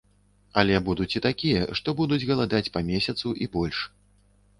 Але будуць і такія, што будуць галадаць па месяцу і больш.